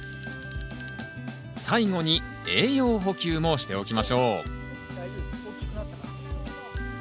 最後に栄養補給もしておきましょう次は先生。